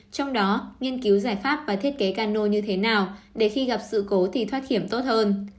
trong đó nghiên cứu giải pháp và thiết kế cano như thế nào để khi gặp sự cố thì thoát hiểm tốt hơn